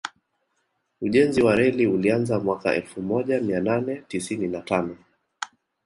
Ujenzi wa reli ulianza mwaka elfu moja mia nane tisini na tano